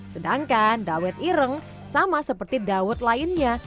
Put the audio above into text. sedangkan dawet ireng sama seperti dawet lainnya